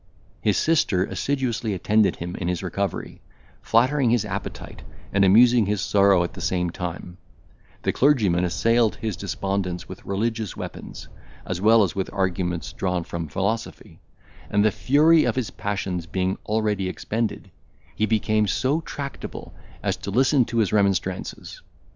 His sister assiduously attended him in his recovery, flattering his appetite, and amusing his sorrow at the same time; the clergyman assailed his despondence with religious weapons, as well as with arguments drawn from philosophy; and the fury of his passions being already expended, he became so tractable as to listen to his remonstrances.